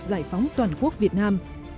giải phóng toàn quốc việt nam